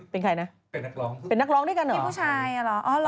เป็นนักร้องด้วยกันเหรอ